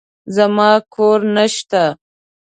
زما کور نشته.